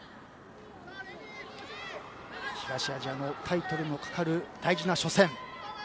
東アジアのタイトルのかかる大事な初戦。